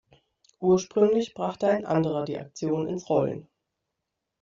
Ursprünglich brachte ein anderer die Aktion ins Rollen.